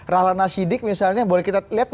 rahlan nasyidik misalnya boleh kita lihat